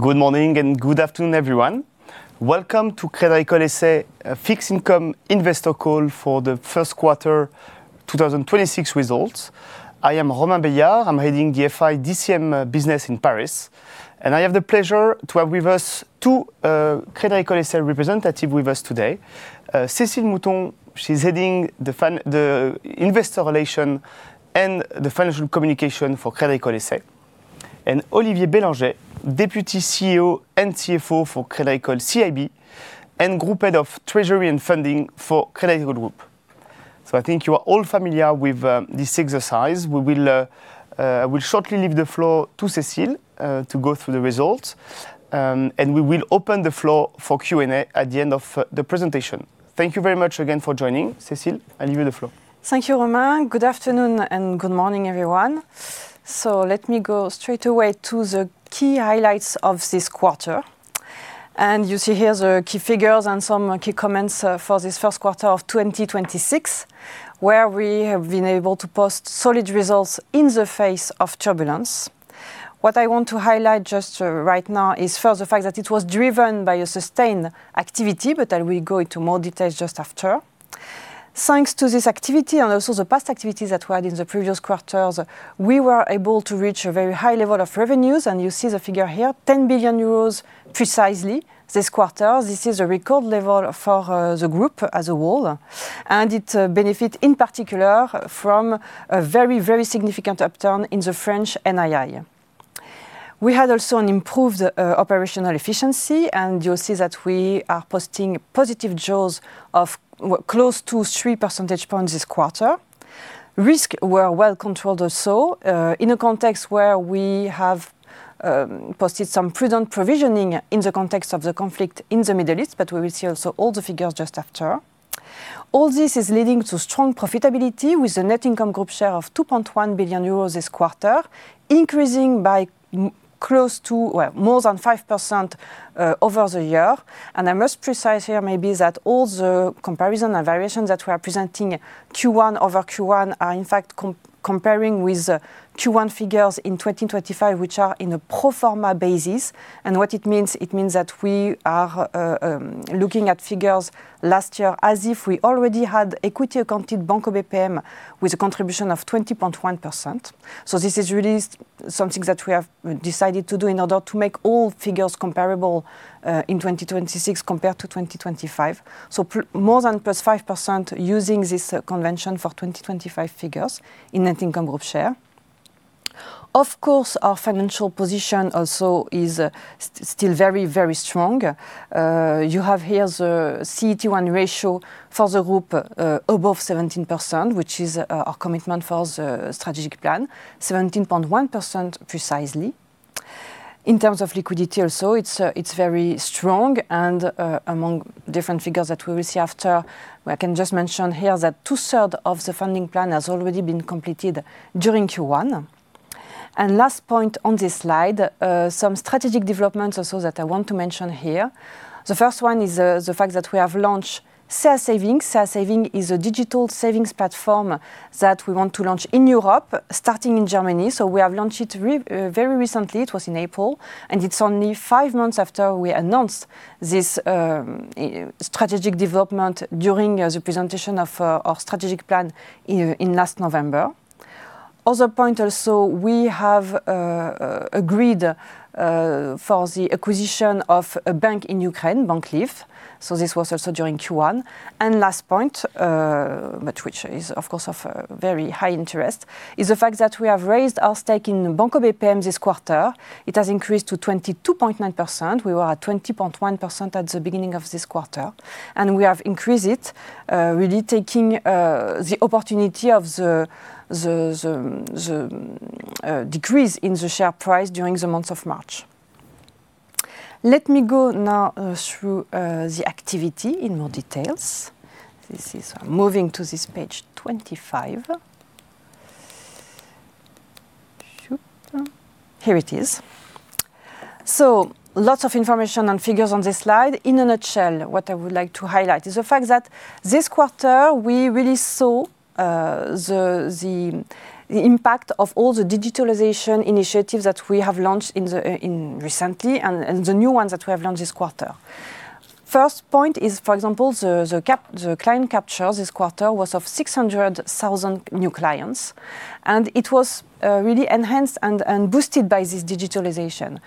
Good morning and good afternoon, everyone. Welcome to Crédit Agricole S.A. Fixed Income Investor Call for the first quarter 2026 results. I am Romain Beillard. I am heading the FI DCM business in Paris, and I have the pleasure to have with us two Crédit Agricole S.A. representative with us today. Cécile Mouton, she's heading the Investor Relations and Financial Communication for Crédit Agricole S.A. Olivier Bélorgey, Deputy CEO and CFO for Crédit Agricole CIB and Group Head of Treasury and Funding for Crédit Agricole Group. I think you are all familiar with this exercise. We will shortly leave the floor to Cécile to go through the results, and we will open the floor for Q&A at the end of the presentation. Thank you very much again for joining. Cécile, I leave you the floor. Thank you, Romain. Good afternoon and good morning, everyone. Let me go straight away to the key highlights of this quarter. You see here the key figures and some key comments for this first quarter of 2026, where we have been able to post solid results in the face of turbulence. What I want to highlight just right now is, first, the fact that it was driven by a sustained activity. I will go into more details just after. Thanks to this activity and also the past activities that were in the previous quarters, we were able to reach a very high level of revenues. You see the figure here, 10 billion euros precisely this quarter. This is a record level for the group as a whole, and it benefit in particular from a very, very significant upturn in the French NII. We had also an improved operational efficiency, and you'll see that we are posting positive jaws of close to 3 percentage points this quarter. Risk were well controlled also in a context where we have posted some prudent provisioning in the context of the conflict in the Middle East, but we will see also all the figures just after. All this is leading to strong profitability with the net income group share of 2.1 billion euros this quarter, increasing by close to well, more than 5% over the year. I must precise here maybe that all the comparison and variations that we are presenting Q1 over Q1 are in fact comparing with Q1 figures in 2025, which are in a pro forma basis. What it means, it means that we are looking at figures last year as if we already had equity-accounted Banco BPM with a contribution of 20.1%. This is really something that we have decided to do in order to make all figures comparable in 2026 compared to 2025. More than +5% using this convention for 2025 figures in net income group share. Of course, our financial position also is still very, very strong. You have here the CET1 ratio for the group above 17%, which is our commitment for the strategic plan, 17.1% precisely. In terms of liquidity also, it's very strong and among different figures that we will see after, I can just mention here that 2/3 of the funding plan has already been completed during Q1. Last point on this slide, some strategic developments also that I want to mention here. The first one is the fact that we have launched CA Savings. CA Savings is a digital savings platform that we want to launch in Europe, starting in Germany. We have launched it very recently. It was in April, and it's only five months after we announced this strategic development during the presentation of our strategic plan in last November. Other point also, we have agreed for the acquisition of a bank in Ukraine, Bank Lviv. This was also during Q1. Last point, but which is, of course, of very high interest, is the fact that we have raised our stake in Banco BPM this quarter. It has increased to 22.9%. We were at 20.1% at the beginning of this quarter, and we have increased it, really taking the opportunity of the decrease in the share price during the month of March. Let me go now through the activity in more details. I'm moving to this page 25. Shoot. Here it is. Lots of information and figures on this slide. In a nutshell, what I would like to highlight is the fact that this quarter, we really saw the impact of all the digitalization initiatives that we have launched recently and the new ones that we have launched this quarter. First point is, for example, the client capture this quarter was of 600,000 new clients, and it was really enhanced and boosted by this digitalization.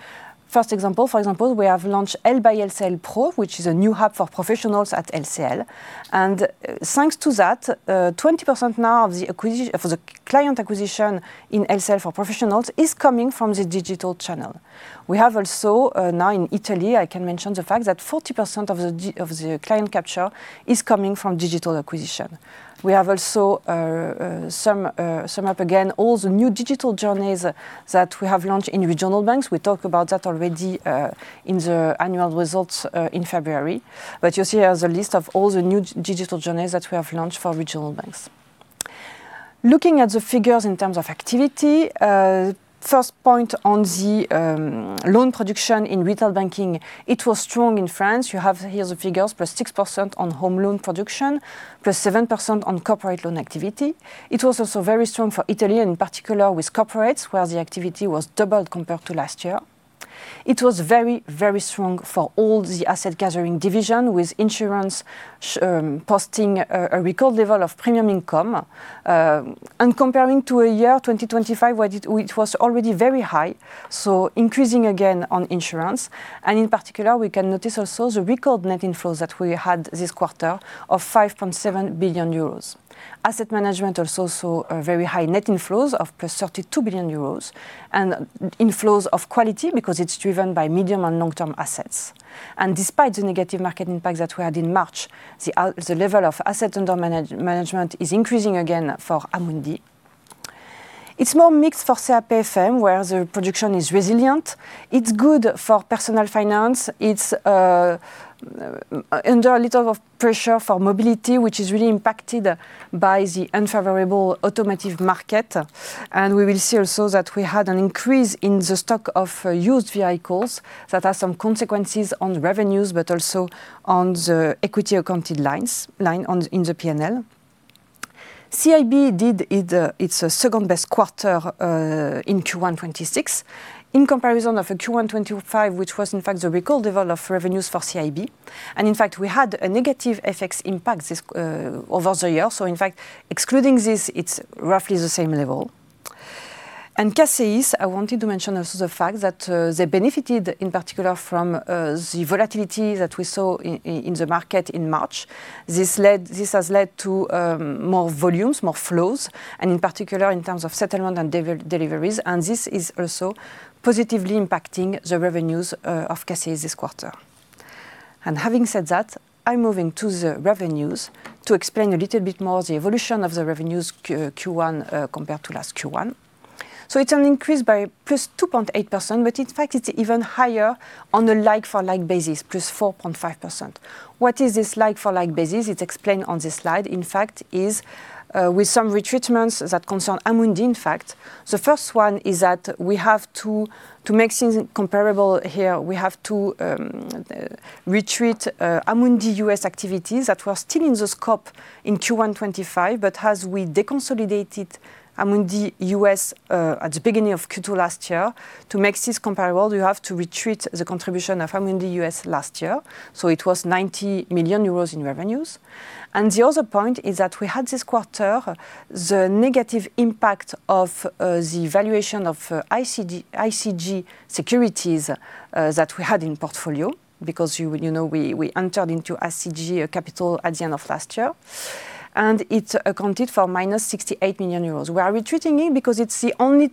First example, we have launched L by LCL Pro, which is a new hub for professionals at LCL. Thanks to that, 20% now of the client acquisition in LCL for professionals is coming from the digital channel. We have also, now in Italy, I can mention the fact that 40% of the client capture is coming from digital acquisition. We have also summed up again all the new digital journeys that we have launched in Regional Banks. We talked about that already in the annual results in February. You see the list of all the new digital journeys that we have launched for Regional Banks. Looking at the figures in terms of activity, first point on the Loan Production in Retail Banking, it was strong in France. You have here the figures, plus 6% on Home Loan Production, plus 7% on Corporate Loan activity. It was also very strong for Italy, in particular with corporates, where the activity was doubled compared to last year. It was very strong for all the Asset gathering division, with Insurance posting a record level of premium income. Comparing to a year 2025, where it was already very high, so increasing again on Insurance. In particular, we can notice also the record net inflows that we had this quarter of 5.7 billion euros. Asset Management also saw a very high net inflows of +32 billion euros, and inflows of quality because it's driven by medium and long-term assets. Despite the negative market impact that we had in March, the level of Asset under Management is increasing again for Amundi. It's more mixed for CAPFM, where the production is resilient. It's good for personal finance. It's under a little of pressure for mobility, which is really impacted by the unfavorable automotive market. We will see also that we had an increase in the stock of used vehicles that has some consequences on the revenues, but also on the equity accounted lines in the P&L. CIB did its second-best quarter in Q1 2026. In comparison of Q1 2025, which was in fact the record level of revenues for CIB, and in fact, we had a negative FX impact this over the year. In fact, excluding this, it's roughly the same level. CACEIS, I wanted to mention also the fact that they benefited in particular from the volatility that we saw in the market in March. This has led to more volumes, more flows, and in particular in terms of settlement and deliveries, and this is also positively impacting the revenues of CACEIS this quarter. Having said that, I'm moving to the revenues to explain a little bit more the evolution of the revenues Q1 compared to last Q1. It's an increase by +2.8%, but in fact, it's even higher on the like-for-like basis, +4.5%. What is this like-for-like basis? It's explained on this slide, in fact, is with some retreatments that concern Amundi, in fact. The first one is that we have to make things comparable here, we have to retreat Amundi U.S. activities that were still in the scope in Q1 2025, but as we deconsolidated Amundi U.S. at the beginning of Q2 last year, to make this comparable, we have to retreat the contribution of Amundi U.S. last year. It was 90 million euros in revenues. The other point is that we had this quarter, the negative impact of the valuation of ICG Securities that we had in portfolio because you know, we entered into ICG, a capital at the end of last year. It accounted for minus 68 million euros. We are retreating it because it's the only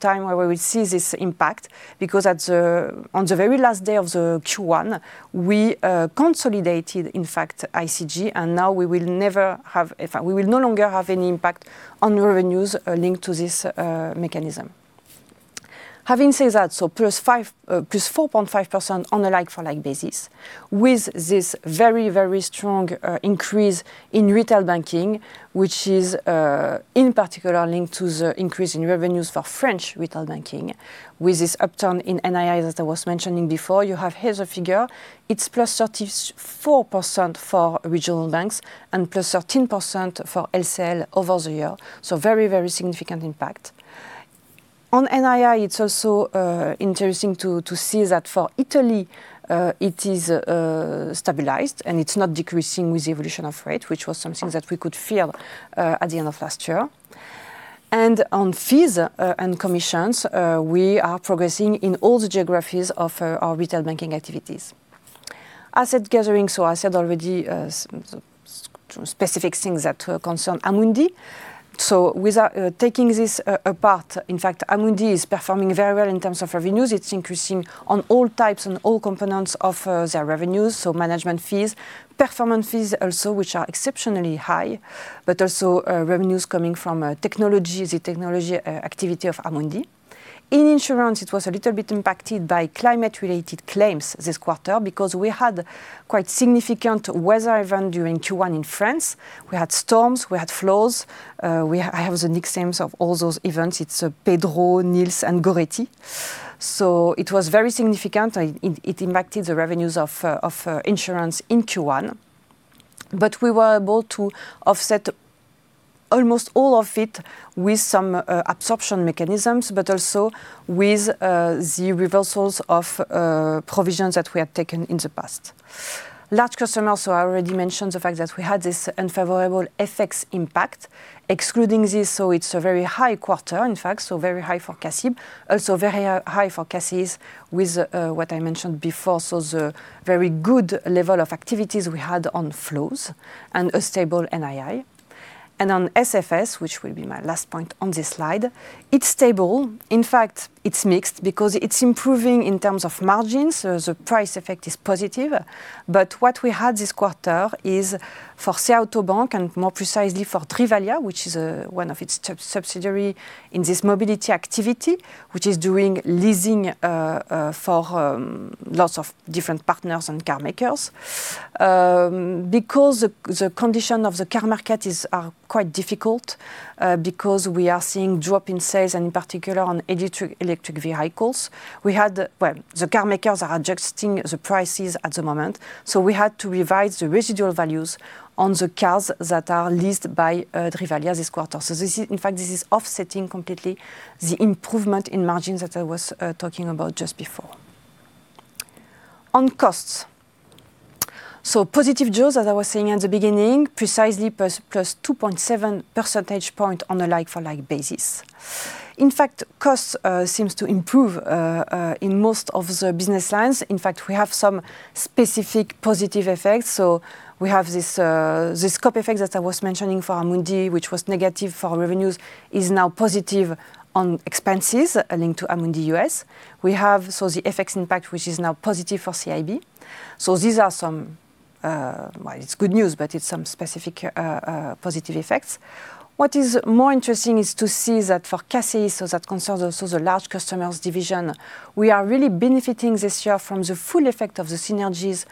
time where we will see this impact because at the, on the very last day of the Q1, we consolidated, in fact, ICG, now we will no longer have any impact on revenues linked to this mechanism. Having said that, +5, +4.5% on a like-for-like basis, with this very, very strong increase in Retail Banking, which is in particular linked to the increase in revenues for French Retail Banking with this upturn in NII, as I was mentioning before. You have here the figure. It's +34% for Regional Banks and +13% for LCL over the year, so very, very significant impact. On NII, it's also interesting to see that for Italy, it is stabilized, and it's not decreasing with the evolution of rate, which was something that we could feel at the end of last year. On fees and commissions, we are progressing in all the geographies of our Retail Banking activities. Asset gathering, I said already some specific things that concern Amundi. Without taking this apart, in fact, Amundi is performing very well in terms of revenues. It's increasing on all types and all components of their revenues, so management fees, performance fees also, which are exceptionally high, but also revenues coming from technology, the technology activity of Amundi. In insurance, it was a little bit impacted by climate-related claims this quarter because we had quite significant weather event during Q1 in France. We had storms, we had flows. We, I have the nicknames of all those events. It's Pedro, Nils, and Goretti. It was very significant. It impacted the revenues of insurance in Q1. We were able to offset almost all of it with some absorption mechanisms, but also with the reversals of provisions that we have taken in the past. Large customers, I already mentioned the fact that we had this unfavorable FX impact. Excluding this, it's a very high quarter, in fact, very high for CACEIS. Also, very high for CACEIS with what I mentioned before, the very good level of activities we had on flows and a stable NII. On SFS, which will be my last point on this slide, it's stable. In fact, it's mixed because it's improving in terms of margins, the price effect is positive. What we had this quarter is for CA Auto Bank, and more precisely for Drivalia, which is one of its sub-subsidiary in this mobility activity, which is doing leasing for lots of different partners and car makers. Because the condition of the Car market are quite difficult, because we are seeing drop in sales, and in particular on Electric Vehicles. We had, well, the car makers are adjusting the prices at the moment, so we had to revise the residual values on the cars that are leased by Drivalia this quarter. This is, in fact, this is offsetting completely the improvement in margins that I was talking about just before. On costs. Positive jaws, as I was saying at the beginning, precisely plus 2.7 percentage point on a like-for-like basis. In fact, costs seems to improve in most of the business lines. In fact, we have some specific positive effects. We have this scope effect that I was mentioning for Amundi, which was negative for revenues, is now positive on expenses linked to Amundi U.S. We have the FX impact, which is now positive for CIB. These are some, it's good news, but it's some specific, positive effects. What is more interesting is to see that for CACEIS, that concerns also the Large Customers division, we are really benefiting this year from the full effect of the synergies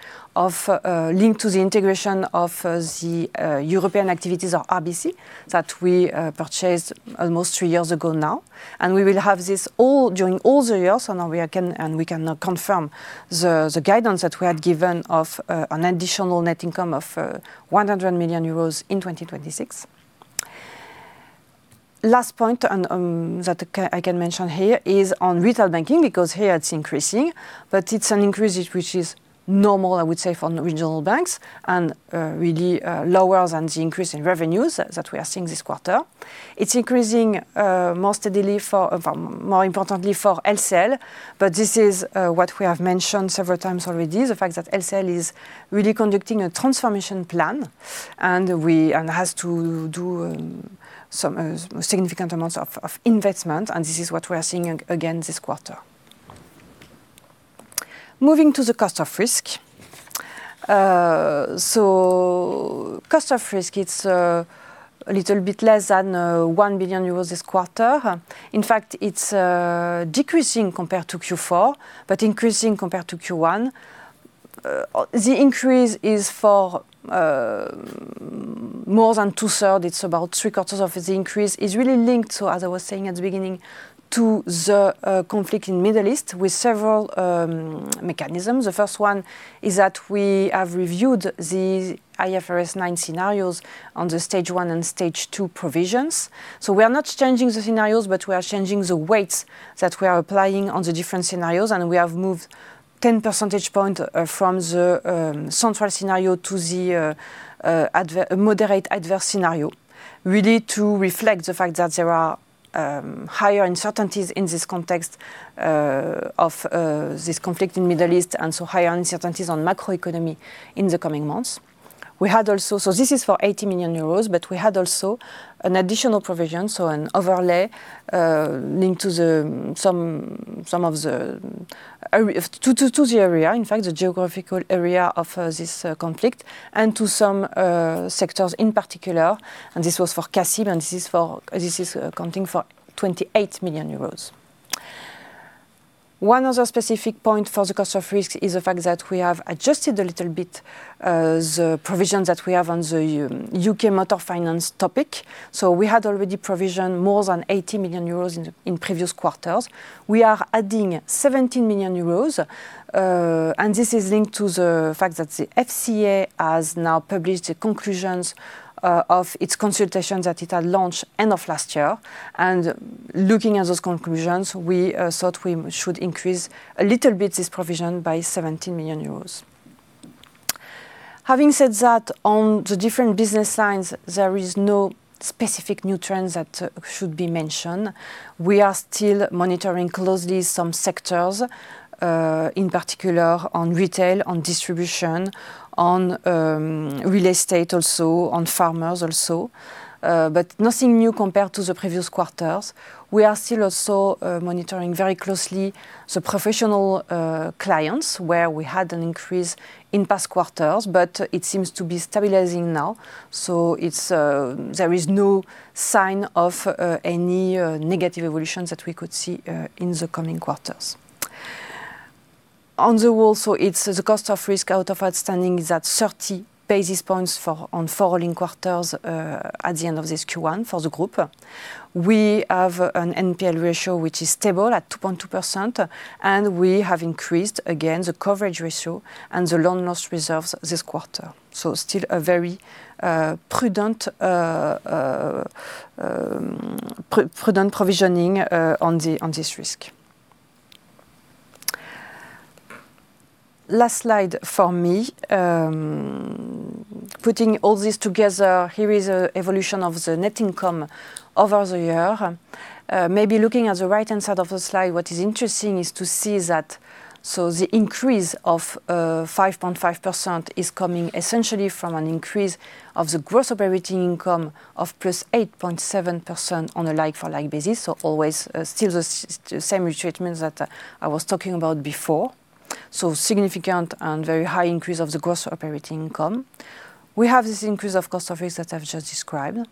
linked to the integration of the European activities of RBC that we purchased almost three years ago now, and we will have this all, during all the years, and we can now confirm the guidance that we had given of an additional net income of 100 million euros in 2026. Last point that I can mention here is on Retail Banking, because here it's increasing, but it's an increase which is normal, I would say, for Regional Banks, really lower than the increase in revenues that we are seeing this quarter. It's increasing more steadily for, more importantly, for LCL, this is what we have mentioned several times already, the fact that LCL is really conducting a transformation plan, and has to do some significant amounts of investment, this is what we are seeing again this quarter. Moving cost of risk, it's a little bit less than 1 billion euros this quarter. In fact, it's decreasing compared to Q4, increasing compared to Q1. The increase is for more than 2/3, it's about 3/4 of the increase, is really linked to, as I was saying at the beginning, to the conflict in Middle East with several mechanisms. The first one is that we have reviewed the IFRS 9 scenarios on the Stage 1 and Stage 2 provisions. We are not changing the scenarios, but we are changing the weights that we are applying on the different scenarios, and we have moved 10 percentage point from the central scenario to the moderate adverse scenario, really to reflect the fact that there are higher uncertainties in this context of this conflict in Middle East, and so higher uncertainties on macroeconomy in the coming months. This is for 80 million euros. We had also an additional provision, so an overlay, linked to some of the area, in fact, the geographical area of this conflict, and to some sectors in particular, and this was for CACEIS, and this is for, this is accounting for 28 million euros. One other specific point cost of risk is the fact that we have adjusted a little bit the provisions that we have on the UK Motor Finance topic. We had already provisioned more than 80 million euros in previous quarters. We are adding 17 million euros, this is linked to the fact that the FCA has now published the conclusions of its consultation that it had launched end of last year. Looking at those conclusions, we thought we should increase a little bit this provision by 17 million euros. Having said that, on the different business lines, there is no specific new trends that should be mentioned. We are still monitoring closely some sectors, in particular on Retail, on Distribution, on Real Estate also, on farmers also. Nothing new compared to the previous quarters. We are still also, monitoring very closely the professional clients, where we had an increase in past quarters, but it seems to be stabilizing now. There is no sign of any negative evolutions that we could see in the coming quarters. On the cost of risk out of outstanding is at 30 basis points for, on four rolling quarters at the end of this Q1 for the group. We have an NPL ratio, which is stable at 2.2%, and we have increased again the coverage ratio and the Loan loss reserves this quarter. Still a very prudent provisioning on this risk. Last slide for me. Putting all this together, here is a evolution of the net income over the year. Maybe looking at the right-hand side of the slide, what is interesting is to see that so the increase of 5.5% is coming essentially from an increase of the gross operating income of plus 8.7% on a like-for-like basis, always still the same treatments that I was talking about before. Significant and very high increase of the gross operating income. We have this cost of risk that i've just described.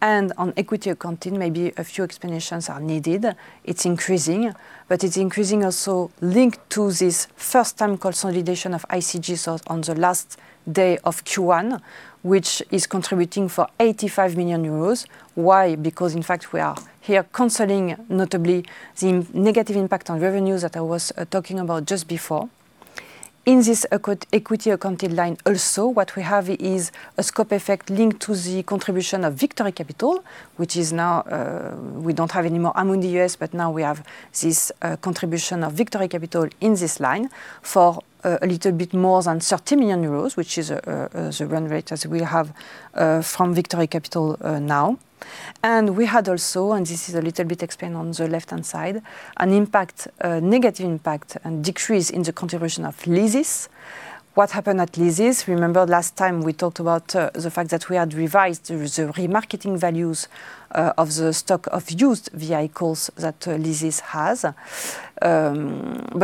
On Equity Accounting, maybe a few explanations are needed. It's increasing, but it's increasing also linked to this first-time consolidation of ICG, so on the last day of Q1, which is contributing for 85 million euros. Why? Because, in fact, we are here canceling notably the negative impact on revenues that I was talking about just before. In this Equity Accounting line also, what we have is a scope effect linked to the contribution of Victory Capital, which is now, we don't have anymore Amundi U.S., but now we have this contribution of Victory Capital in this line for a little bit more than 30 million euros, which is the run rate as we have from Victory Capital now. We had also, and this is explained on the left-hand side, an impact, a negative impact and decrease in the contribution of Leasys. What happened at Leasys? Remember last time we talked about the fact that we had revised the remarketing values of the stock of used vehicles that Leasys has.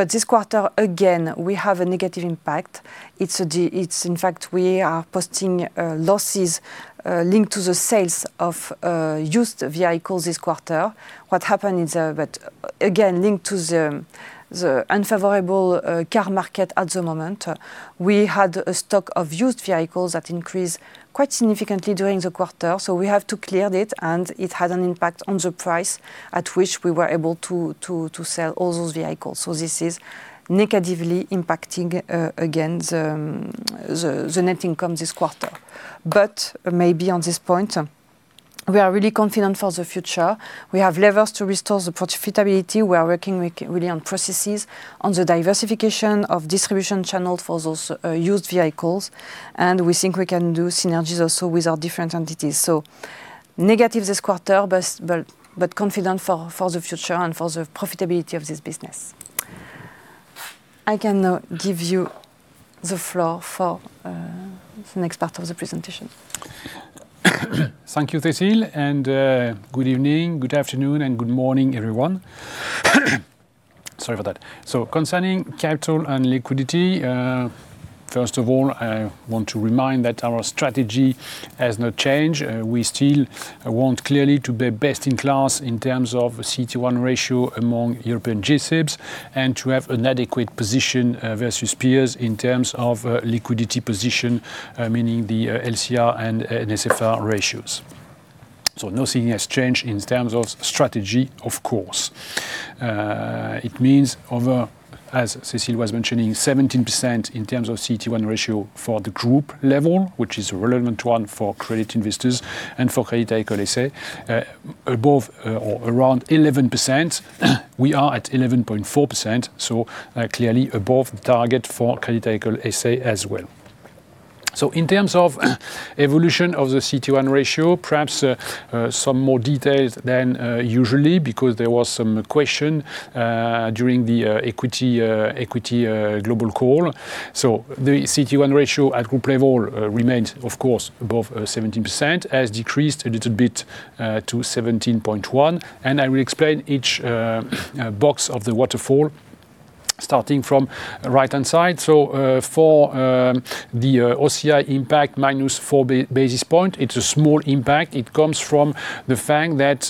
This quarter, again, we have a negative impact. It's, in fact, we are posting losses linked to the sales of used vehicles this quarter. What happened is that, again, linked to the unfavorable car market at the moment, we had a stock of used vehicles that increased quite significantly during the quarter, so we have to clear it, and it had an impact on the price at which we were able to sell all those vehicles. This is negatively impacting again, the net income this quarter. Maybe on this point, we are really confident for the future. We have levers to restore the profitability. We are working really on processes, on the diversification of distribution channels for those used vehicles, and we think we can do synergies also with our different entities. Negative this quarter, but confident for the future and for the profitability of this business. I can now give you the floor for the next part of the presentation. Thank you, Cécile, and good evening, good afternoon, and good morning, everyone. Sorry for that. Concerning capital and liquidity, first of all, I want to remind that our strategy has not changed. We still want clearly to be best-in-class in terms of CET1 ratio among European G-SIBs and to have an adequate position versus peers in terms of liquidity position, meaning the LCR and NSFR ratios. Nothing has changed in terms of strategy, of course. It means over, as Cécile was mentioning, 17% in terms of CET1 ratio for the group level, which is a relevant one for credit investors and for Crédit Agricole S.A., above or around 11%. We are at 11.4%, so clearly above target for Crédit Agricole S.A. as well. In terms of evolution of the CET1 ratio, perhaps some more details than usually, because there was some question during the equity global call. The CET1 ratio at group level remained, of course, above 17%, has decreased a little bit to 17.1%, and I will explain each box of the waterfall starting from right-hand side. For the OCI impact, -4 basis points, it's a small impact. It comes from the fact that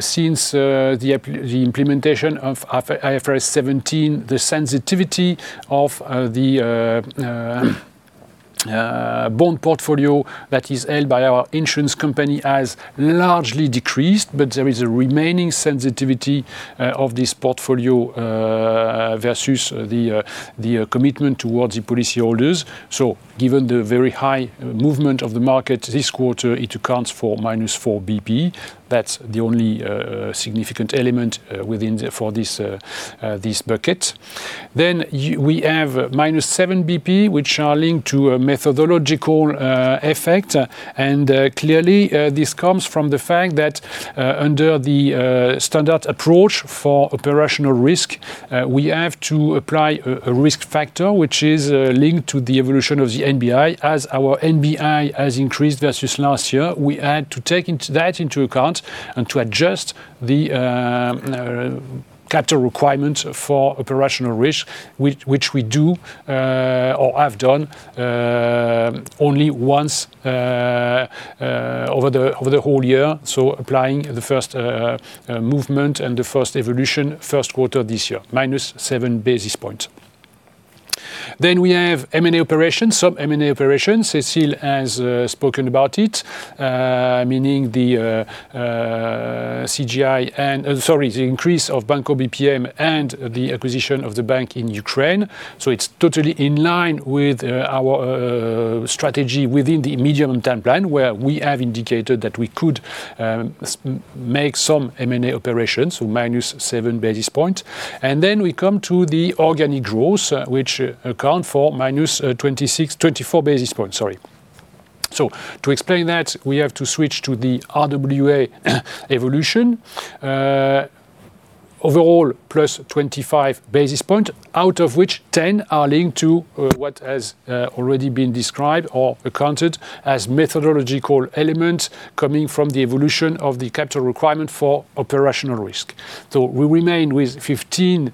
since the implementation of IFRS 17, the sensitivity of the bond portfolio that is held by our Insurance company has largely decreased, but there is a remaining sensitivity of this portfolio versus the commitment towards the policyholders. Given the very high movement of the market this quarter, it accounts for -4 basis points. That's the only significant element for this bucket. We have -7 basis points, which are linked to a methodological effect, and clearly, this comes from the fact that under the standard approach for operational risk, we have to apply a risk factor, which is linked to the evolution of the NBI. As our NBI has increased versus last year, we had to take that into account and to adjust the capital requirements for operational risk, which we do or have done only once over the whole year, so applying the first movement and the first evolution first quarter this year, -7 basis points. We have M&A operations, some M&A operations. Cécile has spoken about it, meaning the CGI and, sorry, the increase of Banco BPM and the acquisition of the bank in Ukraine. It's totally in line with our strategy within the medium-term plan, where we have indicated that we could make some M&A operations, so -7 basis points. We come to the organic growth, which account for -24 basis points, sorry. To explain that, we have to switch to the RWA evolution. Overall, +25 basis points, out of which 10 basis points are linked to what has already been described or accounted as methodological element coming from the evolution of the capital requirement for operational risk. We remain with 15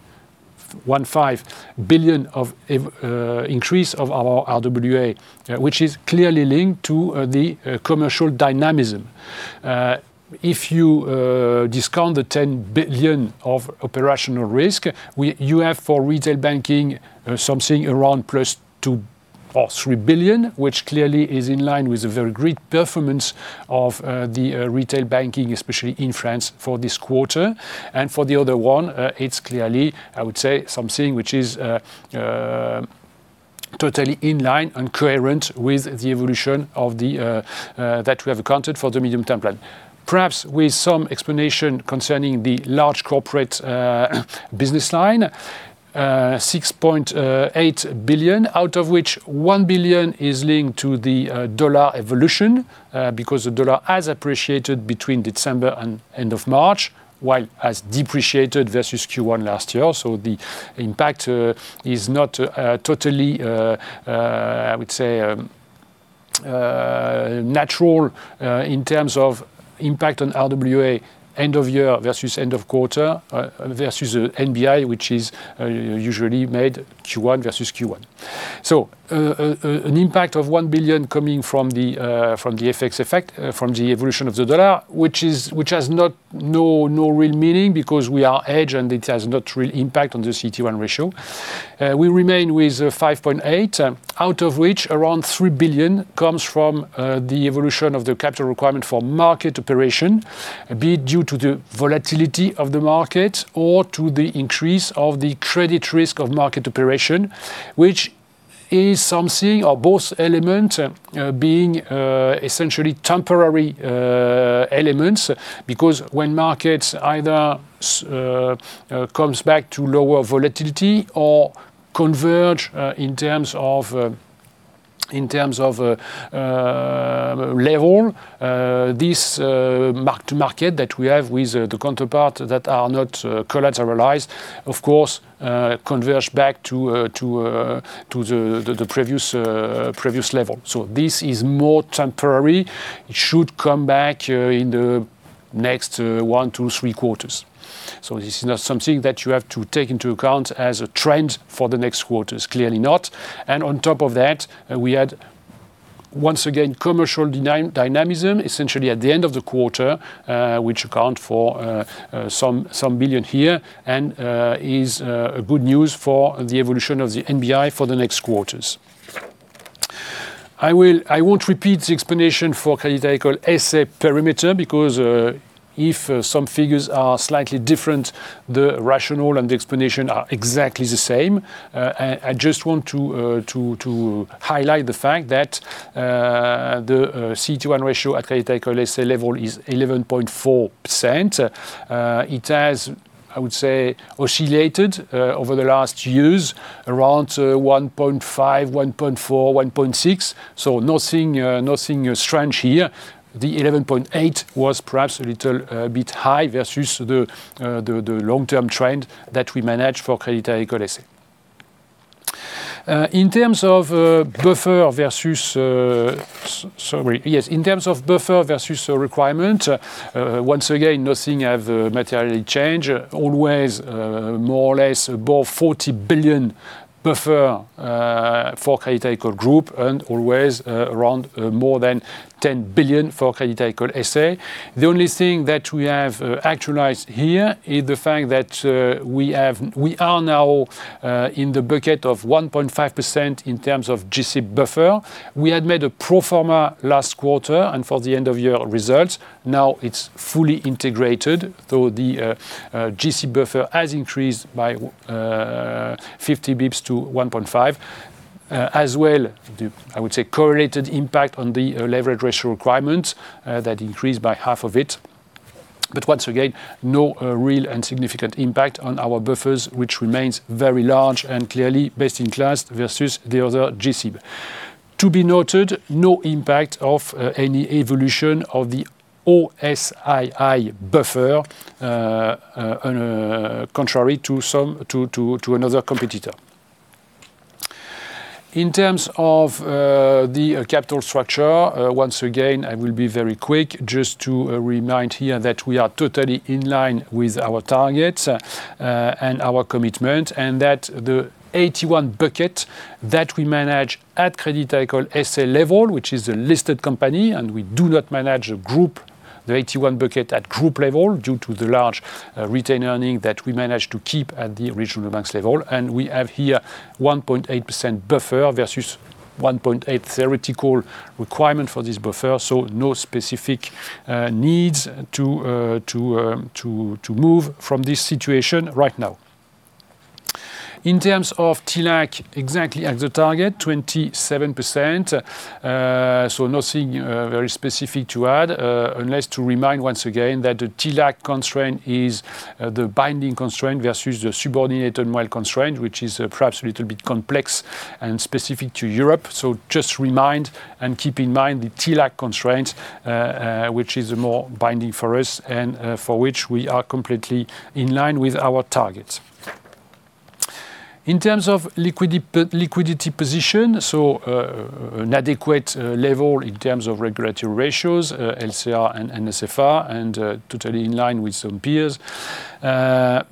billion increase of our RWA, which is clearly linked to the commercial dynamism. If you discount the 10 billion of operational risk, you have for Retail Banking something around +2 billion or 3 billion, which clearly is in line with the very great performance of the Retail Banking, especially in France for this quarter. For the other one, it's clearly, I would say, something which is totally in line and coherent with the evolution of the that we have accounted for the medium term plan. Perhaps with some explanation concerning the large corporate business line. 6.8 billion, out of which 1 billion is linked to the dollar evolution. Because the dollar has appreciated between December and end of March, while has depreciated versus Q1 last year. The impact is not totally, I would say, natural, in terms of impact on RWA end of year versus end of quarter, versus NBI, which is usually made Q1 versus Q1. An impact of 1 billion coming from the FX effect, from the evolution of the dollar, which has not no real meaning because we are hedge, and it has not real impact on the CET1 ratio. We remain with 5.8 billion, out of which around 3 billion comes from the evolution of the capital requirement for market operation, be it due to the volatility of the market or to the increase of the credit risk of market operation, which is something or both element, being essentially temporary, elements. When markets either comes back to lower volatility or converge in terms of level, this mark-to-market that we have with the counterpart that are not collateralized, of course, converge back to the previous level. This is more temporary. It should come back in the next 1, 2, 3 quarters. This is not something that you have to take into account as a trend for the next quarters, clearly not. On top of that, we had, once again, commercial dynamism, essentially at the end of the quarter, which account for some billion here, and is a good news for the evolution of the NBI for the next quarters. I won't repeat the explanation for Crédit Agricole S.A. perimeter, because if some figures are slightly different, the rationale and the explanation are exactly the same. I just want to highlight the fact that the CET1 ratio at Crédit Agricole S.A. level is 11.4%. It has, I would say, oscillated over the last years around 1.5%, 1.4%, 1.6%. Nothing strange here. The 11.8% was perhaps a little bit high versus the long-term trend that we manage for Crédit Agricole S.A. In terms of buffer versus requirement, once again, nothing have materially changed. Always, more or less above 40 billion buffer for Crédit Agricole Group, and always, around, more than 10 billion for Crédit Agricole S.A. The only thing that we have actualized here is the fact that we are now in the bucket of 1.5% in terms of G-SIB buffer. We had made a pro forma last quarter and for the end of year results. Now it's fully integrated, though the G-SIB buffer has increased by 50 basis points to 1.5%. As well, the, I would say, correlated impact on the leverage ratio requirement that increased by half of it. Once again, no real and significant impact on our buffers, which remains very large and clearly best in class versus the other G-SIB. To be noted, no impact of any evolution of the O-SII buffer, on a contrary to some, to another competitor. In terms of the capital structure, once again, I will be very quick just to remind here that we are totally in line with our target and our commitment, and that the AT1 bucket that we manage at Crédit Agricole S.A. level, which is a listed company, and we do not manage a group, the AT1 bucket at group level, due to the large retained earning that we managed to keep at the Regional Banks level. We have here 1.8% buffer versus 1.8% theoretical requirement for this buffer, no specific needs to move from this situation right now. In terms of TLAC, exactly at the target, 27%. Nothing very specific to add, unless to remind once again that the TLAC constraint is the binding constraint versus the subordinated MREL constraint, which is perhaps a little bit complex and specific to Europe. Just remind and keep in mind the TLAC constraint, which is more binding for us and for which we are completely in line with our target. In terms of liquidity position, an adequate level in terms of regulatory ratios, LCR and NSFR, and totally in line with some peers. More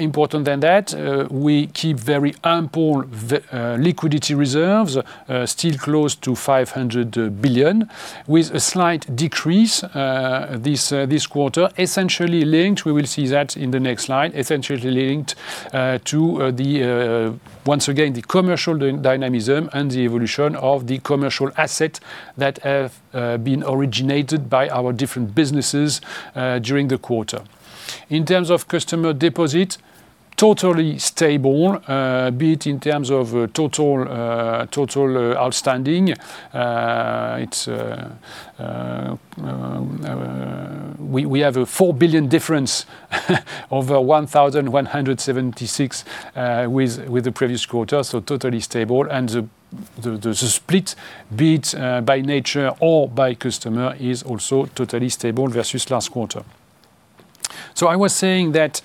important than that, we keep very ample liquidity reserves, still close to 500 billion, with a slight decrease this quarter, essentially linked, we will see that in the next slide, essentially linked to the once again, the commercial dynamism and the evolution of the commercial asset that have been originated by our different businesses during the quarter. In terms of customer deposits. Totally stable, be it in terms of total outstanding. It's, we have a 4 billion difference over 1,176 with the previous quarter, totally stable. The split be it by nature or by customer is also totally stable versus last quarter. I was saying that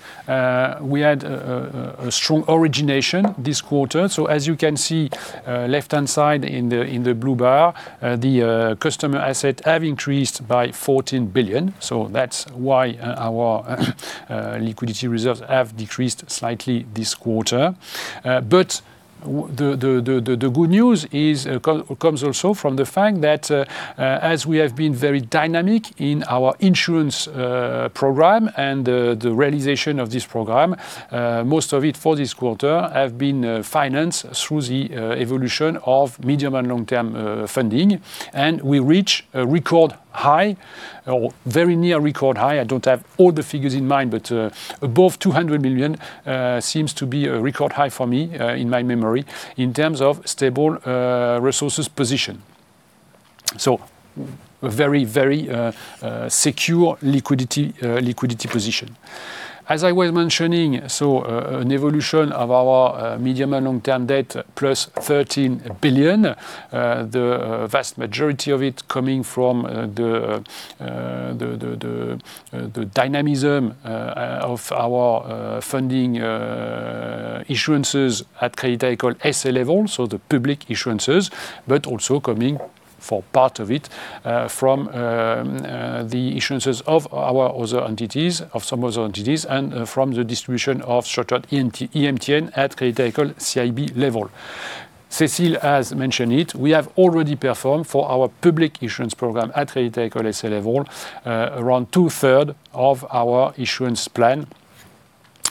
we had a strong origination this quarter. As you can see, left-hand side in the blue bar, the customer assets have increased by 14 billion, so that's why our liquidity reserves have decreased slightly this quarter. The good news comes also from the fact that as we have been very dynamic in our Insurance program and the realization of this program, most of it for this quarter have been financed through the evolution of medium and long-term funding. We reach a record high or very near record high, I don't have all the figures in mind, but above 200 billion seems to be a record high for me in my memory, in terms of stable resources position. Very, very, secure liquidity position. As I was mentioning, an evolution of our medium and long-term debt plus 13 billion, the vast majority of it coming from the dynamism of our funding issuances at Crédit Agricole S.A. level, so the public issuances, also coming for part of it from the issuances of our other entities, of some other entities, and from the distribution of short-term EMTN at Crédit Agricole CIB level. Cécile has mentioned it, we have already performed for our public issuances program at Crédit Agricole S.A. level, around 2/3 of our issuances plan,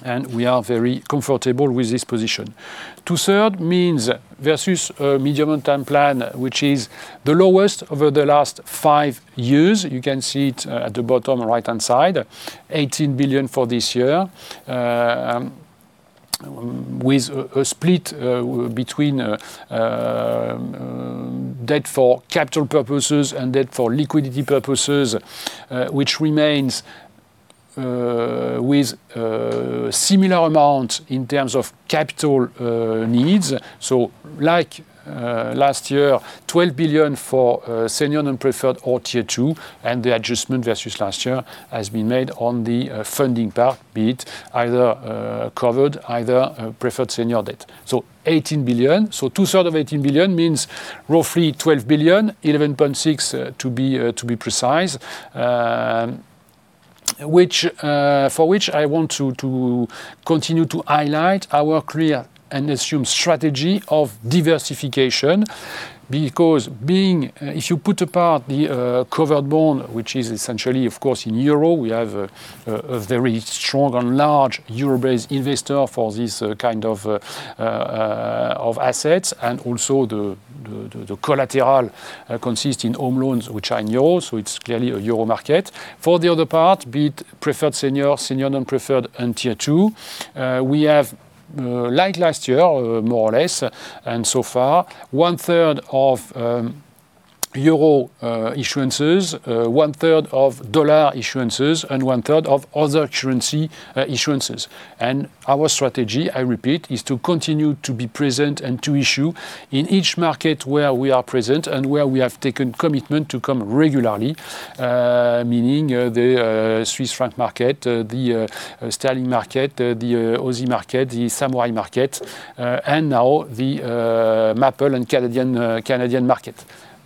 and we are very comfortable with this position. 2/3 means versus medium and term plan, which is the lowest over the last five years. You can see it at the bottom right-hand side, 18 billion for this year. With a split between debt for capital purposes and debt for liquidity purposes, which remains with similar amount in terms of capital needs. Like last year, 12 billion for senior and preferred or Tier 2, and the adjustment versus last year has been made on the funding part, be it either covered, either preferred senior debt. 18 billion. 2/3 of 18 billion means roughly 12 billion, 11.6 billion to be precise. Which, for which I want to continue to highlight our clear and assumed strategy of diversification because being, if you put apart the covered bond, which is essentially, of course, in EUR, we have a very strong and large euro-based investor for this kind of assets, and also the collateral consist in home loans, which are in EUR, so it's clearly a euro market. For the other part, be it preferred senior non-preferred, and Tier 2, we have like last year, more or less, and so far, 1/3 of EUR issuances, 1/3 of USD issuances, and 1/3 of other currency issuances. Our strategy, I repeat, is to continue to be present and to issue in each market where we are present and where we have taken commitment to come regularly, meaning the Swiss franc market, the sterling market, the Aussie market, the Samurai market, and now the Maple and Canadian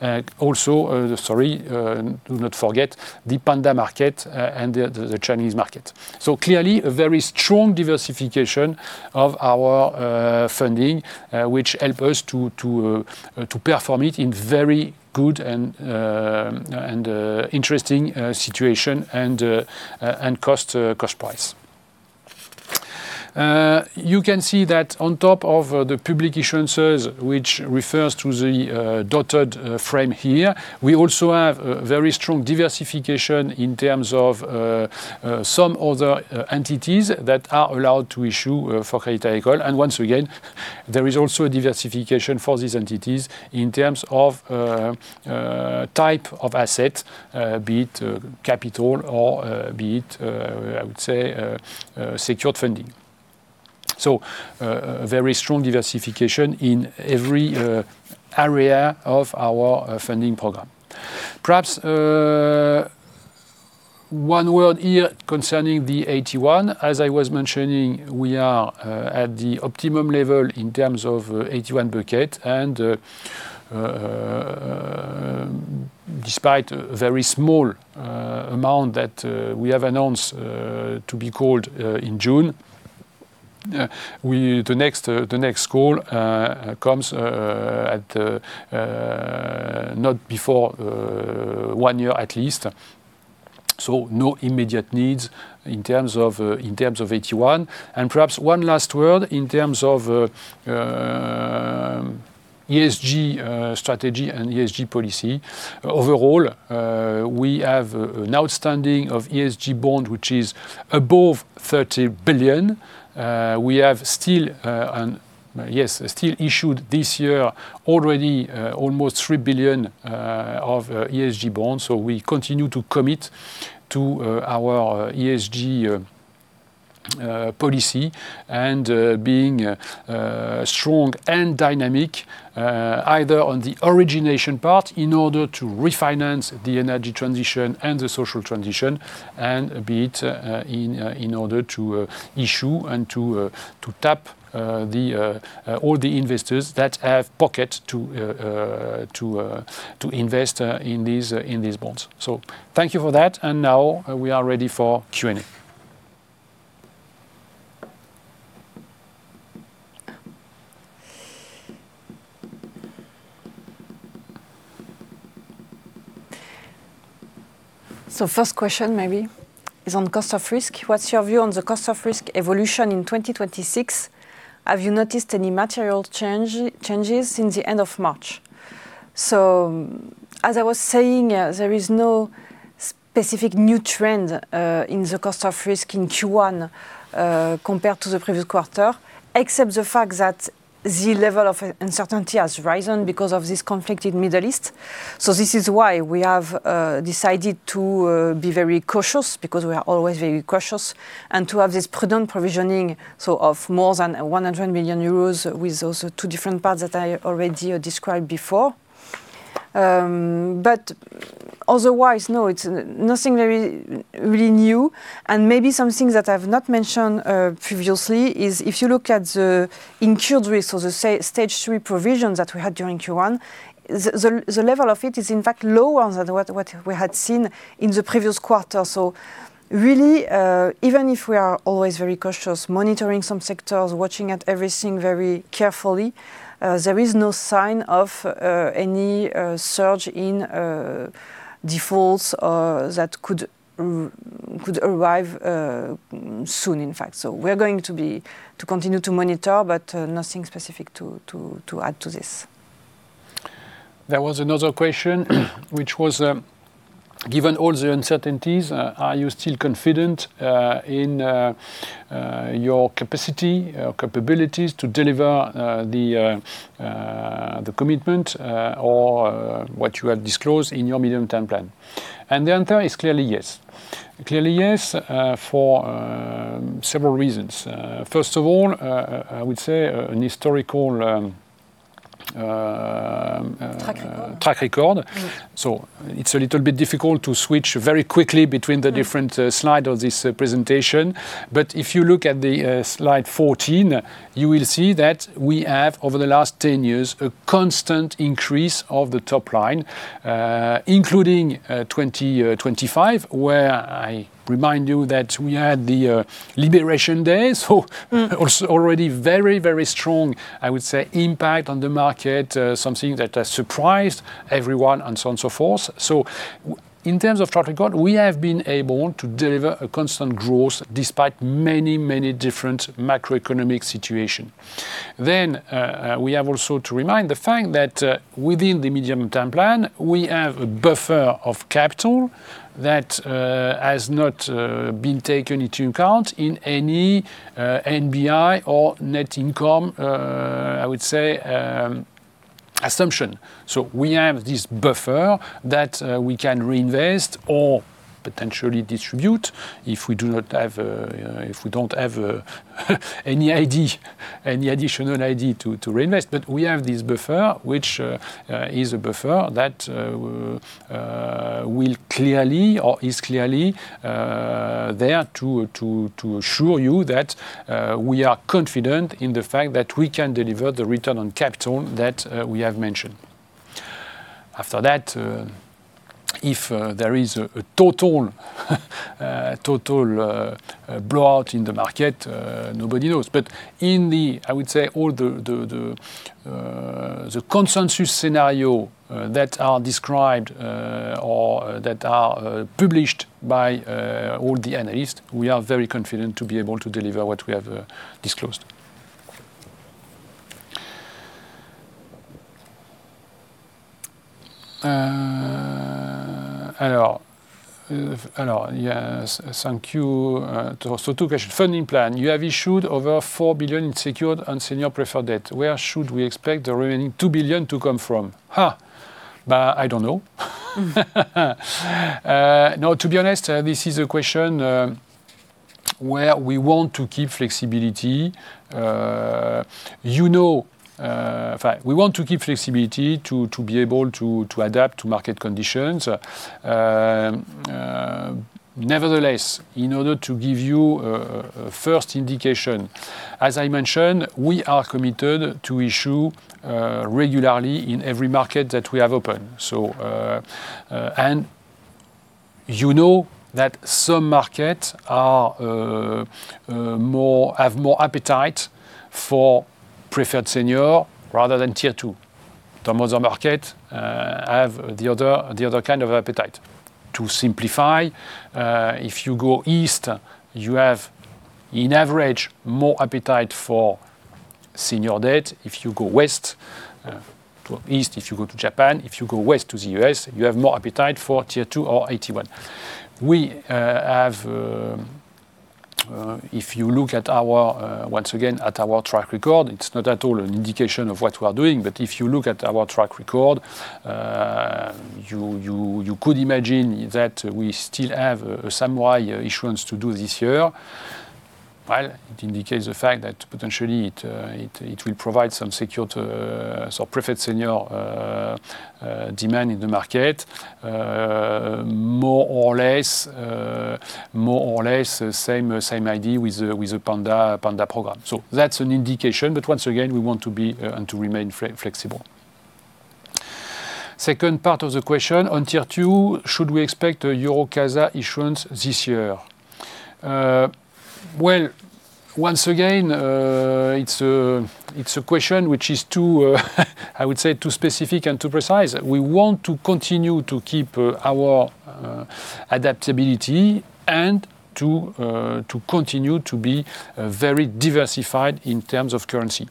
market. Also, do not forget the Panda market and the Chinese market. Clearly a very strong diversification of our funding, which help us to perform it in very good and interesting situation and cost price. You can see that on top of the public issuances, which refers to the dotted frame here, we also have very strong diversification in terms of some other entities that are allowed to issue for Crédit Agricole. Once again, there is also a diversification for these entities in terms of type of asset, be it capital or be it, I would say, secured funding. A very strong diversification in every area of our funding program. Perhaps one word here concerning the AT1. As I was mentioning, we are at the optimum level in terms of AT1 bucket, despite a very small amount that we have announced to be called in June, the next call comes at not before one year at least, so no immediate needs in terms of in terms of AT1. Perhaps one last word in terms of ESG strategy and ESG policy. Overall, we have an outstanding of ESG bond, which is above 30 billion. We have still issued this year already almost 3 billion of ESG bonds. We continue to commit to our ESG policy and being strong and dynamic either on the origination part in order to refinance the energy transition and the social transition, and a bit in order to issue and to tap the all the investors that have pocket to invest in these bonds. Thank you for that, and now we are ready for Q&A. First question maybe cost of risk. "What's your view cost of risk evolution in 2026? Have you noticed any material changes since the end of March?" As I was saying, there is no specific new trend cost of risk in Q1 compared to the previous quarter, except the fact that the level of uncertainty has risen because of this conflict in Middle East. This is why we have decided to be very cautious because we are always very cautious, and to have this prudent provisioning, so of more than 100 million euros with those two different parts that I already described before. Otherwise, no, it's nothing very, really new, and maybe something that I've not mentioned previously is if you look at the incurred risk or the Stage 3 provisions that we had during Q1, the level of it is, in fact, lower than what we had seen in the previous quarter. Really, even if we are always very cautious, monitoring some sectors, watching at everything very carefully, there is no sign of any surge in defaults that could arrive soon, in fact. We're going to be, to continue to monitor, but nothing specific to add to this. There was another question, which was, "given all the uncertainties, are you still confident in your capacity, capabilities to deliver the commitment, or what you have disclosed in your medium-term plan?" The answer is clearly yes. Clearly, yes, for several reasons. First of all, I would say. Track record. Track record. It's a little bit difficult to switch very quickly. Between the different slide of this presentation. If you look at the slide 14, you will see that we have, over the last 10 years, a constant increase of the top line, including 2025, where I remind you that we had the Liberation Day. Already very, very strong, I would say, impact on the market, something that has surprised everyone, and so on and so forth. In terms of track record, we have been able to deliver a constant growth despite many, many different macroeconomic situation. We have also to remind the fact that within the medium-term plan, we have a buffer of capital that has not been taken into account in any NBI or net income, I would say, assumption. We have this buffer that we can reinvest or potentially distribute if we don't have any idea, any additional idea to reinvest. We have this buffer, which is a buffer that will clearly or is clearly there to assure you that we are confident in the fact that we can deliver the return on capital that we have mentioned. After that, if there is a total blowout in the market, nobody knows. In the, I would say, all the consensus scenario that are described or that are published by all the analysts, we are very confident to be able to deliver what we have disclosed. And, yes, thank you. So, two question. Funding plan. You have issued over 4 billion in secured and senior preferred debt. Where should we expect the remaining 2 billion to come from? I don't know. No, to be honest, this is a question where we want to keep flexibility. You know, in fact, we want to keep flexibility to be able to adapt to market conditions. Nevertheless, in order to give you a first indication, as I mentioned, we are committed to issue regularly in every market that we have open. You know that some markets are more, have more appetite for preferred senior rather than Tier 2. Some other market have the other kind of appetite. To simplify, if you go east, you have on average more appetite for senior debt. If you go west to east, if you go to Japan, if you go west to the U.S., you have more appetite for Tier 2 or AT1. We have if you look at our once again, at our track record, it's not at all an indication of what we are doing. If you look at our track record, you could imagine that we still have Samurai issuance to do this year. It indicates the fact that potentially it will provide some secured preferred senior demand in the market. More or less, more or less the same idea with the Panda program. That's an indication. Once again, we want to be and to remain flexible. Second part of the question, "on Tier 2, should we expect a euro CASA issuance this year?" Well, once again, it's a question which is too, I would say, too specific and too precise. We want to continue to keep our adaptability, and to continue to be very diversified in terms of currency.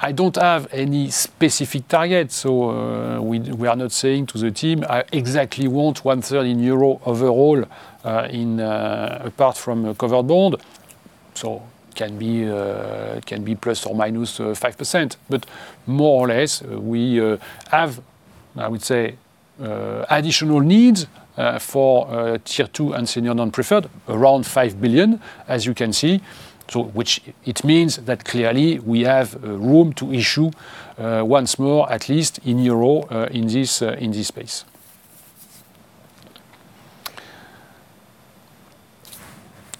I don't have any specific target, so we are not saying to the team, "I exactly want 1/3 in euro overall," in apart from a covered bond. Can be plus or minus 5%. More or less, we have, I would say, additional needs for Tier 2 and senior non-preferred, around 5 billion, as you can see. To which it means that clearly we have room to issue once more, at least in euro, in this in this space.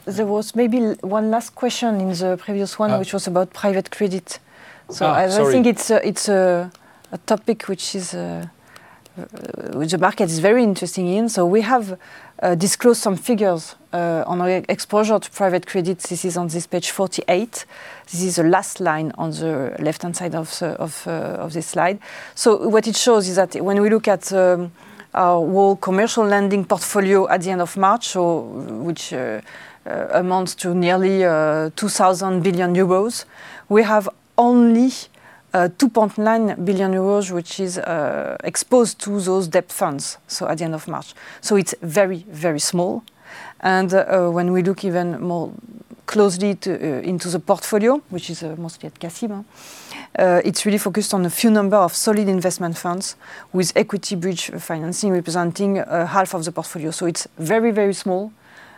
There was maybe one last question in the previous one- Uh- ...which was about private credit. Oh, sorry. I think it's a, it's a topic which the market is very interested in. We have disclosed some figures on our exposure to private credit. This is on this page 48. This is the last line on the left-hand side of this slide. What it shows is that when we look at our whole commercial lending portfolio at the end of March, so which amounts to nearly 2,000 billion euros, we have only 2.9 billion euros, which is exposed to those debt funds at the end of March. It's very, very small. When we look even more closely to, into the portfolio, which is, mostly at CACEIS, it's really focused on a few number of solid investment funds with equity bridge financing representing, half of the portfolio. It's very, very small,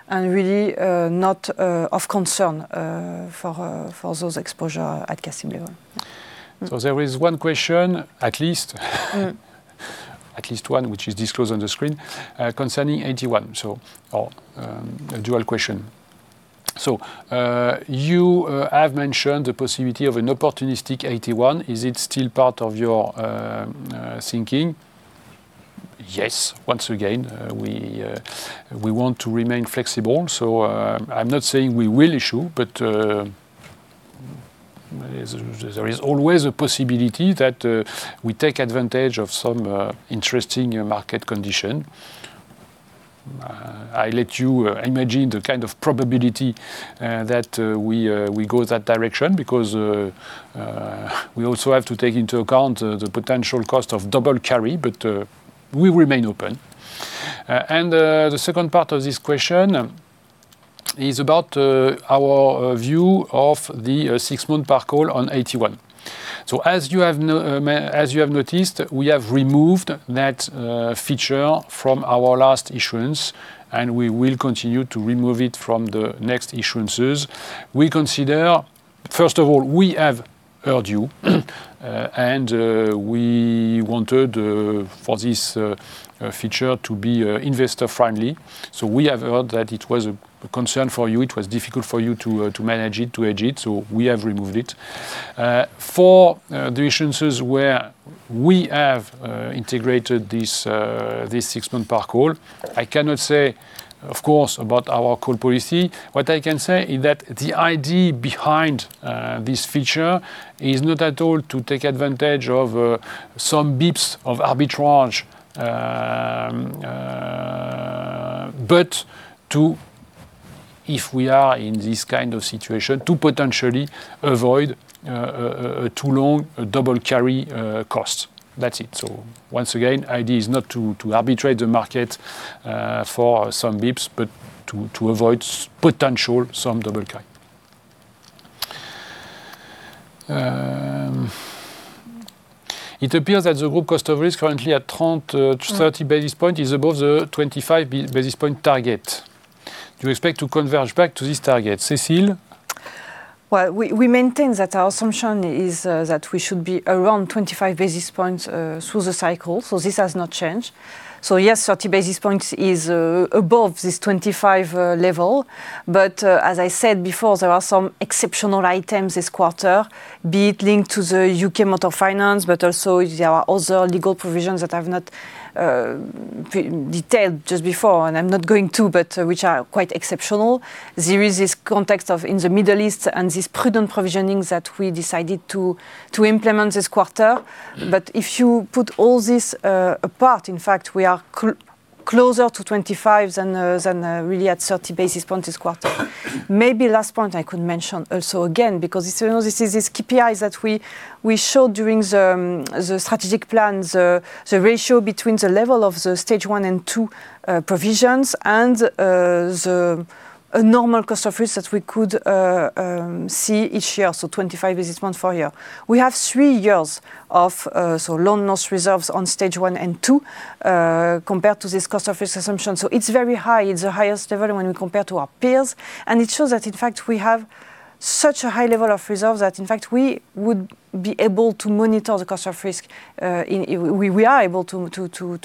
and really, not, of concern, for those exposure at CACEIS level. There is one question, at least, at least one which is disclosed on the screen, concerning AT1, or a dual question. "You have mentioned the possibility of an opportunistic AT1. Is it still part of your thinking?" Yes. Once again, we want to remain flexible. I'm not saying we will issue, but there is always a possibility that we take advantage of some interesting market condition. I let you imagine the kind of probability that we go that direction because we also have to take into account the potential cost of double carry, but we remain open. And the second part of this question is about our view of the six-month par call on AT1. As you have noticed, we have removed that feature from our last issuance, and we will continue to remove it from the next issuances. First of all, we have heard you, and we wanted for this feature to be investor-friendly. We have heard that it was a concern for you. It was difficult for you to manage it, to hedge it. We have removed it. For the issuances where we have integrated this six-month par call, I cannot say, of course, about our call policy. What I can say is that the idea behind this feature is not at all to take advantage of some basis points of arbitrage, but to, if we are in this kind of situation, to potentially avoid a too low double carry cost. That's it. Once again, idea is not to arbitrate the market for some basis points, but to avoid potential some double carry. It appears that cost of risk currently at 30 basis point is above the 25 basis point target. Do you expect to converge back to this target? Cécile? Well, we maintain that our assumption is that we should be around 25 basis points through the cycle, this has not changed. Yes, 30 basis points is above this 25 level. As I said before, there are some exceptional items this quarter, be it linked to the U.K. Motor Finance, but also there are also legal provisions that I've not detailed just before, and I'm not going to, but which are quite exceptional. There is this context of in the Middle East and this prudent provisionings that we decided to implement this quarter. If you put all this apart, in fact, we are closer to 25 basis points than than really at 30 basis points this quarter. Maybe last point I could mention also, again, because this, you know, this is these KPIs that we show during the strategic plans, the ratio between the level of the Stage 1 and 2 provisions and cost of risk that we could see each year, so 25 basis points for you. We have three years of so loan loss reserves on Stage 1 and 2 compared cost of risk assumption. it's very high. It's the highest ever when we compare to our peers, and it shows that, in fact, we have such a high level of reserves that, in fact, we would be able to cost of risk, we are able to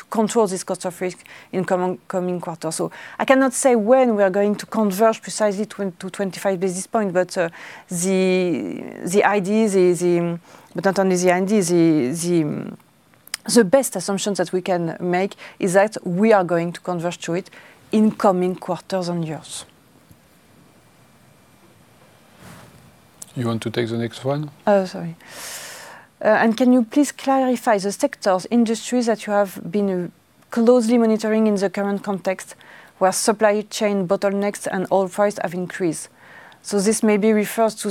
cost of risk in coming quarters. I cannot say when we are going to converge precisely to 25 basis points, but the idea is, but not only the idea, the best assumptions that we can make is that we are going to converge to it in coming quarters and years. You want to take the next one? Sorry. "Can you please clarify the sectors, industries that you have been closely monitoring in the current context where supply chain bottlenecks and oil price have increased?" This maybe refers to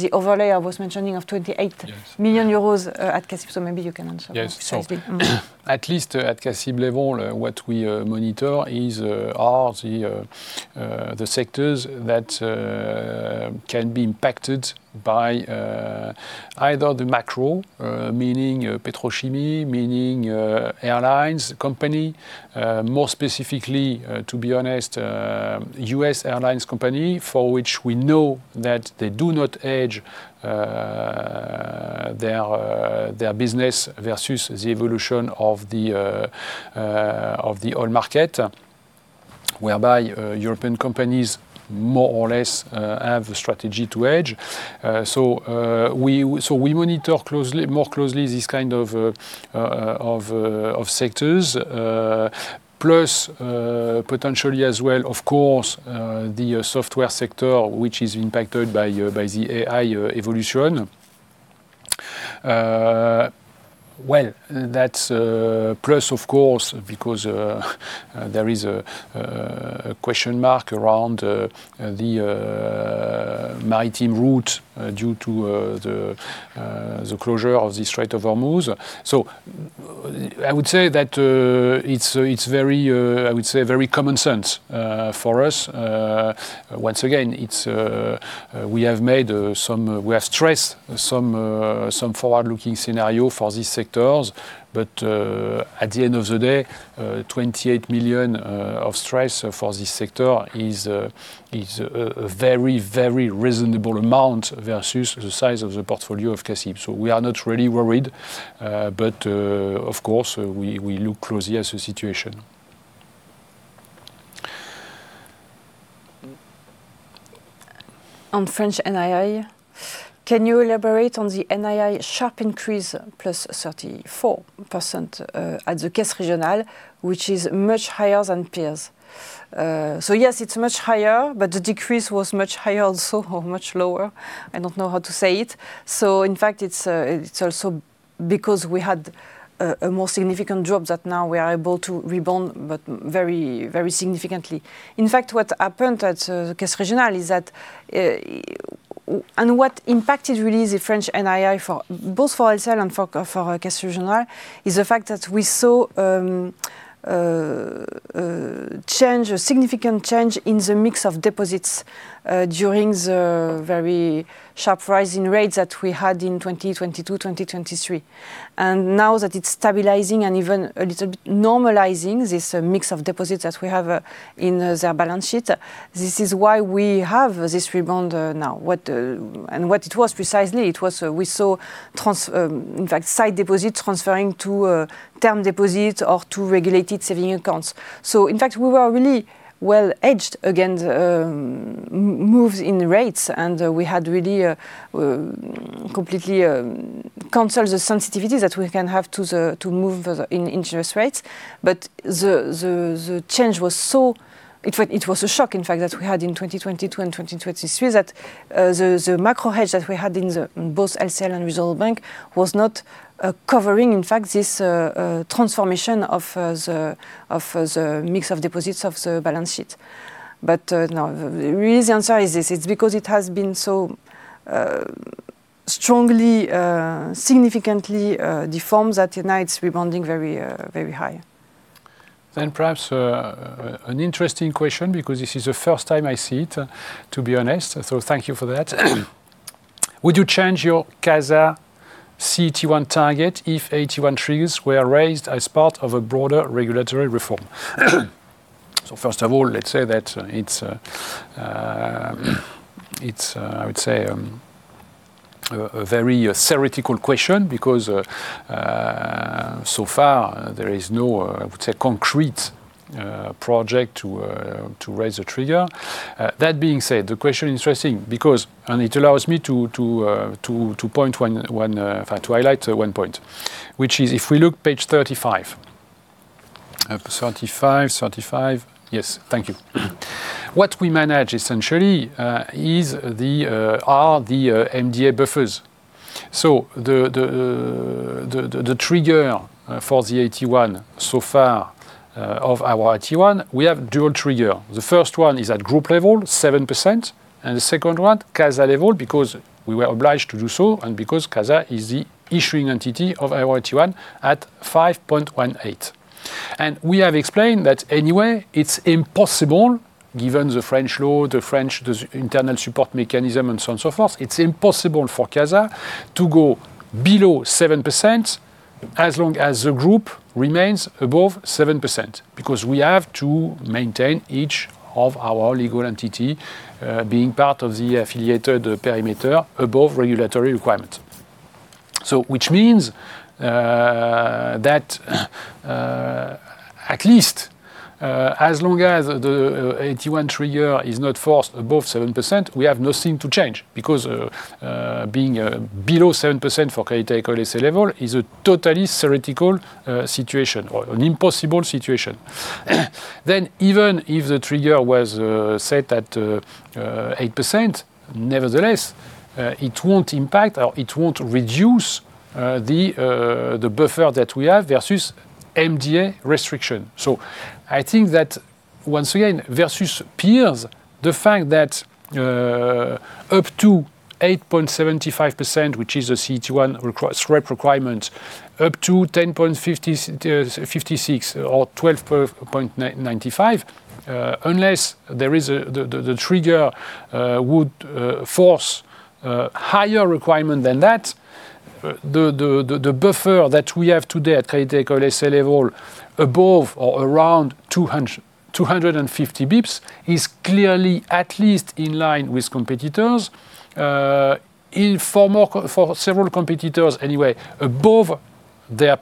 the overlay I was mentioning. Yes.... 28 million euros at CA-CIB, maybe you can answer that precisely. Yes. At least at CA-CIB level, what we monitor is are the sectors that can be impacted by either the macro, meaning petrochemical, meaning airlines company, more specifically, to be honest, U.S. airlines company, for which we know that they do not hedge their business versus the evolution of the oil market, whereby European companies more or less have a strategy to hedge. We monitor closely, more closely this kind of sectors, plus potentially as well, of course, the software sector, which is impacted by the AI evolution. Well, that's plus of course, because there is a question mark around the maritime route due to the closure of the Strait of Hormuz. I would say that it's. It's very, I would say very common sense for us. Once again, it's we have made some, we have stressed some forward-looking scenario for these sectors, but at the end of the day, 28 million of stress for this sector is a very, very reasonable amount versus the size of the portfolio of CA-CIB. We are not really worried, but of course, we look closely at the situation. On French NII, can you elaborate on the NII sharp increase plus 34% at the Caisse régionale, which is much higher than peers? Yes, it's much higher, but the decrease was much higher also, or much lower. I don't know how to say it. In fact, it's also because we had a more significant drop that now we are able to rebound, but very significantly. In fact, what happened at Caisse régionale is that and what impacted really the French NII for, both for LCL and for Caisse régionale, is the fact that we saw a change, a significant change in the mix of deposits during the very sharp rise in rates that we had in 2022, 2023. Now that it's stabilizing and even a little bit normalizing, this mix of deposits that we have in the balance sheet, this is why we have this rebound now. What it was precisely, it was, we saw, in fact, side deposits transferring to term deposits or to regulated savings accounts. In fact, we were really well-hedged against moves in rates, and we had really completely canceled the sensitivity that we can have to the move in interest rates. The, the change was so it was a shock, in fact, that we had in 2022 and 2023 that the macrohedge that we had in the, in both LCL and Regional Banks was not covering. In fact, this transformation of the mix of deposits of the balance sheet. No, the real answer is this. It's because it has been so strongly, significantly, deformed that tonight it's rebounding very high. Perhaps, an interesting question, because this is the first time I see it, to be honest, so thank you for that. "Would you change your CASA CET1 target if AT1 triggers were raised as part of a broader regulatory reform?" First of all, let's say that it's a very theoretical question because so far there is no, I would say, concrete project to raise the trigger. That being said, the question is interesting because it allows me to point one fact, to highlight one point, which is if we look page 35. 35. Yes. Thank you. What we manage essentially are the MDA buffers. The trigger for the AT1 so far, of our AT1, we have dual trigger. The first one is at group level, 7%, and the second one, CASA level, because we were obliged to do so, and because CASA is the issuing entity of our AT1 at 5.18%. We have explained that anyway, it's impossible, given the French law, the French internal support mechanism and so on, so forth, it's impossible for CASA to go below 7% as long as the group remains above 7%. We have to maintain each of our legal entity being part of the affiliated perimeter above regulatory requirement. Which means that, at least, as long as the AT1 trigger is not forced above 7%, we have nothing to change. Being below 7% for Crédit Agricole S.A. level is a totally theoretical situation or an impossible situation. Even if the trigger was set at 8%, nevertheless, it won't impact or it won't reduce the buffer that we have versus MDA restriction. I think that once again, versus peers, the fact that up to 8.75%, which is a CET1 SREP requirement, up to 10.56% or 12.95%, unless there is a trigger would force higher requirement than that, the buffer that we have today at Crédit Agricole S.A. level above or around 250 basis points is clearly at least in line with competitors. In for more, for several competitors anyway, above their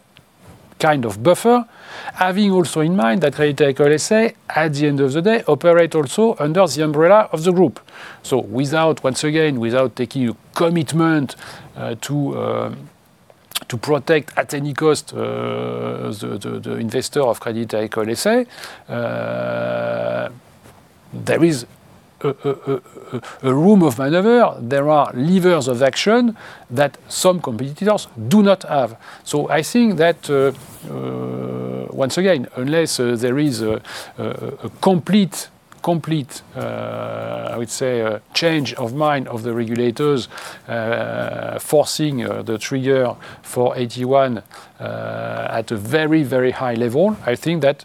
kind of buffer, having also in mind that Crédit Agricole S.A., at the end of the day, operate also under the umbrella of the group. Without, once again, without taking a commitment to protect at any cost the investor of Crédit Agricole S.A., there is a room of maneuver, there are levers of action that some competitors do not have. I think that once again, unless there is a complete, I would say, a change of mind of the regulators, forcing the trigger for AT1 at a very high level, I think that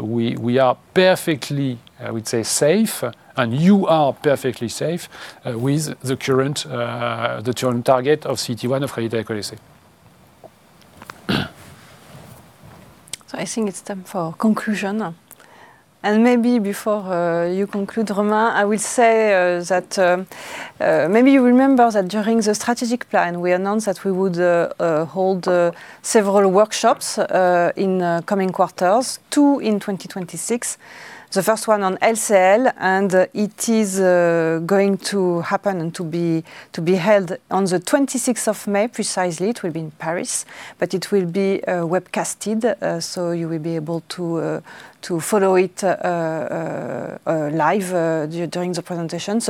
we are perfectly, I would say, safe, and you are perfectly safe with the current target of CET1 of Crédit Agricole S.A.. I think it's time for conclusion. Maybe before you conclude, Romain, I will say that maybe you remember that during the strategic plan, we announced that we would hold several workshops in coming quarters, two in 2026. The first one on LCL, and it is going to happen and to be held on the 26th of May. Precisely, it will be in Paris, but it will be webcasted, so you will be able to follow it live during the presentation.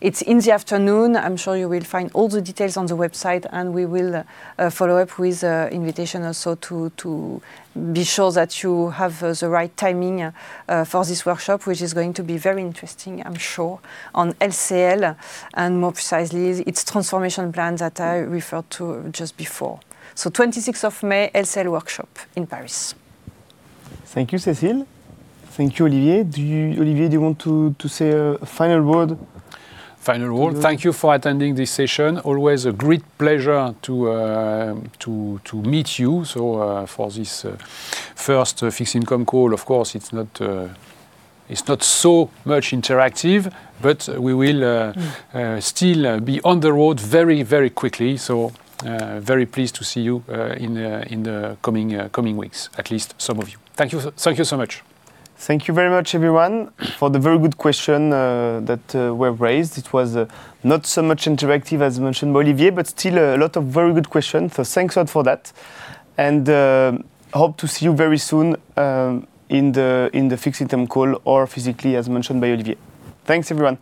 It's in the afternoon. I'm sure you will find all the details on the website. We will follow up with invitation also to be sure that you have the right timing for this workshop, which is going to be very interesting, I'm sure, on LCL, and more precisely, its transformation plan that I referred to just before. 26th of May, LCL workshop in Paris. Thank you, Cécile. Thank you, Olivier. Do you, Olivier, want to say a final word? Final word. Thank you for attending this session. Always a great pleasure to meet you. For this first fixed income call, of course, it's not so much interactive, but we will still be on the road very quickly. Very pleased to see you in the coming weeks, at least some of you. Thank you. Thank you so much. Thank you very much everyone for the very good question that were raised. It was not so much interactive as mentioned by Olivier, but still a lot of very good questions. Thanks a lot for that. I hope to see you very soon in the fixed income call or physically as mentioned by Olivier. Thanks everyone.